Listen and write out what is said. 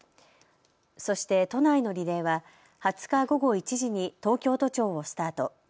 そして都内のリレーは２０日午後１時に東京都庁をスタート。